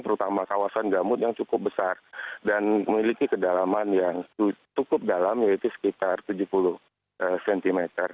terutama kawasan gambut yang cukup besar dan memiliki kedalaman yang cukup dalam yaitu sekitar tujuh puluh cm